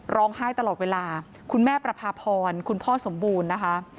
ร้องไห้ตลอดเวลาคุณแม่ประพาพรคุณพ่อสมบูรณ์นะคะ